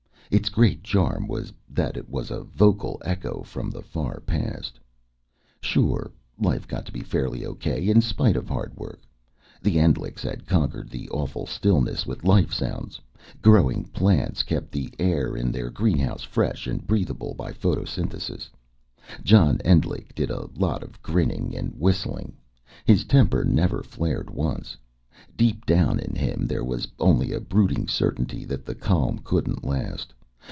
Its great charm was that it was a vocal echo from the far past. Sure. Life got to be fairly okay, in spite of hard work. The Endlichs had conquered the awful stillness with life sounds. Growing plants kept the air in their greenhouse fresh and breathable by photosynthesis. John Endlich did a lot of grinning and whistling. His temper never flared once. Deep down in him there was only a brooding certainty that the calm couldn't last.